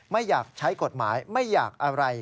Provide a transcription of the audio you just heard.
ไม่อยากใช้กฎหมายไม่อยากอะไร